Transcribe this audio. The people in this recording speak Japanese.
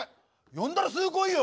呼んだらすぐ来いよ！